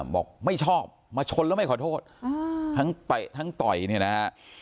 บอกไม่ชอบมาชนแล้วไม่ขอโทษทั้งต่อยเนี่ยนะครับ